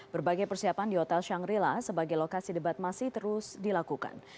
berbagai persiapan di hotel shangrila sebagai lokasi debat masih terus dilakukan